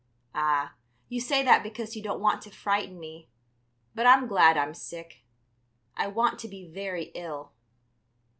"Ah, you say that because you don't want to frighten me, but I'm glad I'm sick. I want to be very ill."